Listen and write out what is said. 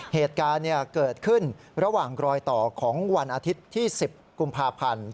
เหตุการณ์เกิดขึ้นระหว่างรอยต่อของวันอาทิตย์ที่๑๐กุมภาพันธ์